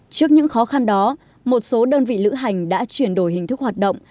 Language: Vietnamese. trước những khó khăn đó một số đơn vị lữ hành đã chuyển đổi hình thức hoạt động